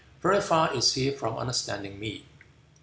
Very far is he from understanding me."